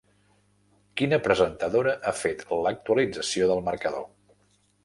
Quina presentadora ha fet l'actualització del marcador?